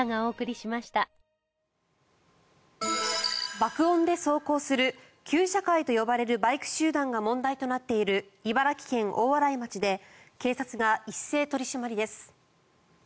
爆音で走行する旧車會と呼ばれるバイク集団が問題となっている茨城県大洗町で警察が一斉取り締まりです。